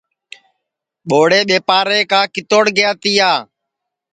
ٻوڑے ٻیپارے کا کِتوڑ گیا تیا